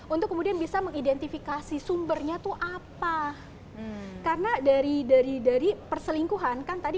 untuk kemudian bisa mengidentifikasi sumbernya tuh apa karena dari dari perselingkuhan kan tadi